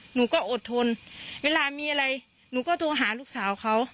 หนูก็อดทนเวลามีอะไรหนูก็โทรหาลูกสาวเขา